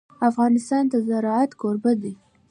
افغانستان د زراعت کوربه دی.